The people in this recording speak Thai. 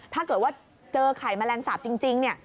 ถ้าเกิดว่าเจอไขมะแรงสาบจริงนี่